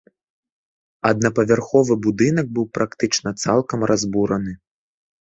Аднапавярховы будынак быў практычна цалкам разбураны.